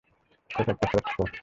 এটা একটা ফ্রেস্কো।